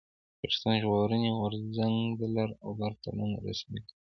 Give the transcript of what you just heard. پښتون ژغورني غورځنګ د لر او بر تړون رسمي کړ.